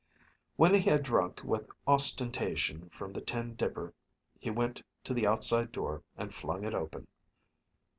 When he had drunk with ostentation from the tin dipper he went to the outside door and flung it open.